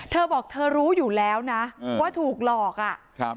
เธอบอกเธอรู้อยู่แล้วนะว่าถูกหลอกอ่ะครับ